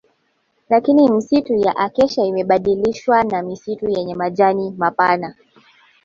Lakini misitu ya Acacia imebadilishwa na misitu yenye majani mapana